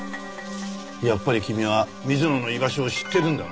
やっぱり君は水野の居場所を知ってるんだな？